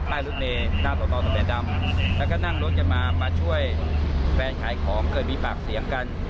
รถเมย์หน้าต่อตอสแก่ดำแล้วก็นั่งรถกันมามาช่วยแฟนขายของเกิดมีปากเสียงกัน